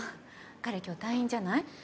彼今日退院じゃない？